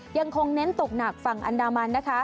ยังคงเน้นตกหนักฝั่งอันดามันนะคะ